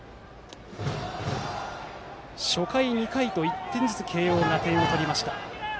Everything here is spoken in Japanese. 初回、２回と１点ずつ慶応が点を取りました。